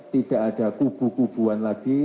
tidak ada kubu kubuan lagi